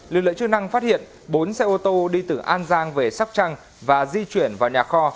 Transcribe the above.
lực lượng chức năng phát hiện bốn xe ô tô đi từ an giang về sóc trăng và di chuyển vào nhà kho